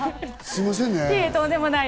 すみませんね。